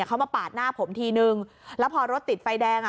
เขามาปาดหน้าผมทีนึงแล้วพอรถติดไฟแดงอ่ะ